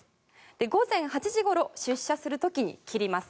午前８時ごろ出社する時に切ります。